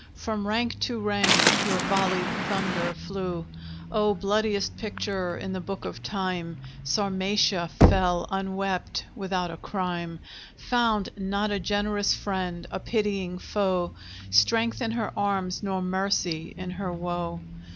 From rank to rank your volleyed thunder flew; Oh, bloodiest picture in the book of Time, Sarmatia fell, unwept, without a crime; Found not a generous friend, a pitying foe, Strength in her arms, nor mercy in her woe!